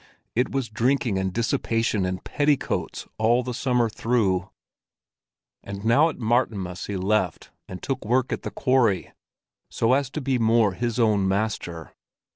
It was drinking and dissipation and petticoats all the summer through; and now at Martinmas he left and took work at the quarry, so as to be more his own master.